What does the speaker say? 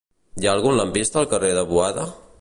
Hi ha algun lampista al carrer de Boada?